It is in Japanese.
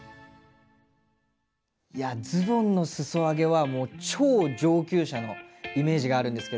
いやズボンのすそ上げはもう超上級者のイメージがあるんですけど。